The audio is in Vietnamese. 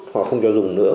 họ không cho dùng nữa